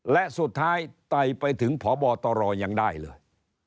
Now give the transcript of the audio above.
และสุดท้ายไตไปถึงพบตรยังได้เลย